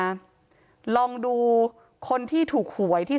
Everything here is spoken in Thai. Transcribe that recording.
ความปลอดภัยของนายอภิรักษ์และครอบครัวด้วยซ้ำ